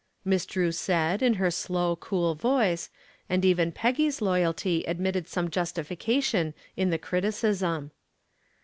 Miss Drew said, in her slow, cool voice, and even Peggy's loyalty admitted some justification in the criticism.